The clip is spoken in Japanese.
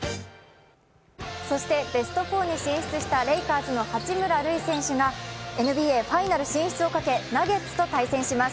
そしてベスト４に進出したレイカーズの八村塁選手がＮＢＡファイナル進出をかけナゲッツと対戦します。